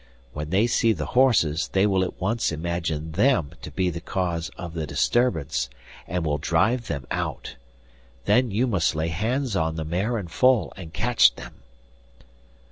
When they see the horses they will at once imagine them to be the cause of the disturbance, and will drive them out. Then you must lay hands on the mare and foal and catch them.